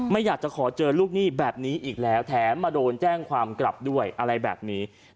ไม่อยากจะขอเจอลูกหนี้แบบนี้อีกแล้วแถมมาโดนแจ้งความกลับด้วยอะไรแบบนี้